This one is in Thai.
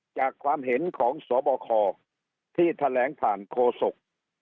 ความเห็นของสบคที่แถลงผ่านโคศก